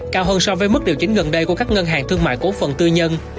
cao hơn so với mức điều chỉnh gần đây của các ngân hàng thương mại cổ phần tư nhân